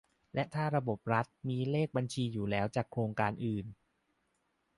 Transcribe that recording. และถ้าระบบรัฐมีเลขบัญชีอยู่แล้วจากโครงการอื่น